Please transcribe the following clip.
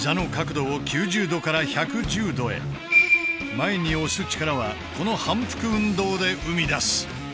前に押す力はこの反復運動で生み出す。